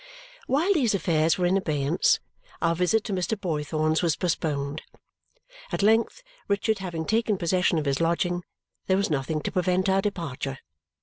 While these affairs were in abeyance, our visit to Mr. Boythorn's was postponed. At length, Richard having taken possession of his lodging, there was nothing to prevent our departure.